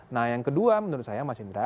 nah yang kedua menurut saya mas indra